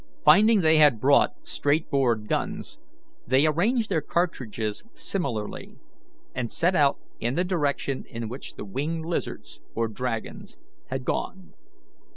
Finding they had brought straight bored guns, they arranged their cartridges similarly, and set out in the direction in which the winged lizards or dragons had gone.